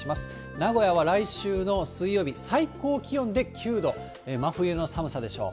名古屋は来週の水曜日、最高気温で９度、真冬の寒さでしょう。